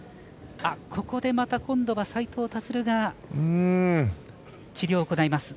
ここでまた今度は斉藤立が治療を行います。